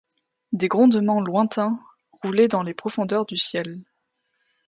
Des grondements lointains roulaient dans les profondeurs du ciel